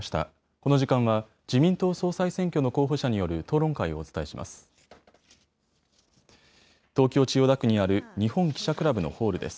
この時間は、自民党総裁選挙の候補者による討論会をお伝えします。